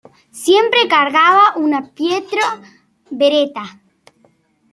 Siempre cargaba una Pietro Beretta".